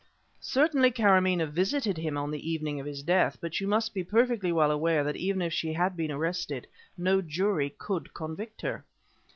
"Certainly Karamaneh visited him on the evening of his death, but you must be perfectly well aware that even if she had been arrested, no jury could convict her."